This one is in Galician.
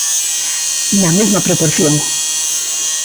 Na mesma proporción.